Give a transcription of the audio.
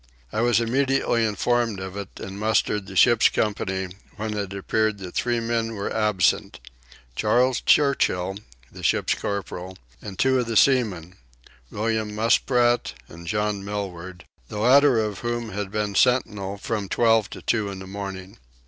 I was immediately informed of it and mustered the ship's company, when it appeared that three men were absent: Charles Churchill, the ship's corporal and two of the seamen, William Musprat and John Millward, the latter of whom had been sentinel from twelve to two in the morning.